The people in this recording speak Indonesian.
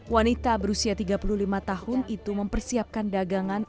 wanita berusia tiga puluh lima tahun itu mempersiapkan dagangan